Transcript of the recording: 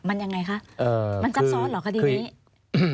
มันยังไงคะมันจัดซ่อนเหรอคดีนี้